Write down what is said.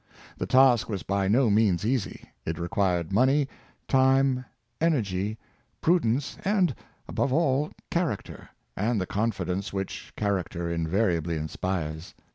The task was by no means eas}^ It required money, time, energy, prudence, and above all, character, and the confidence which character invariabl}^ inspires.